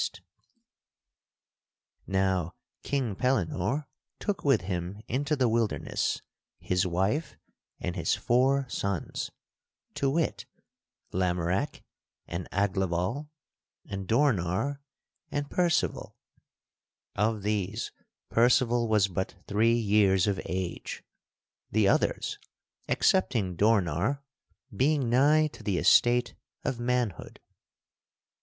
[Sidenote: King Pellinore fleeth to the wilderness] Now, King Pellinore took with him into the wilderness his wife and his four sons; to wit, Lamorack and Aglaval and Dornar and Percival. Of these, Percival was but three years of age; the others, excepting Dornar, being nigh to the estate of manhood.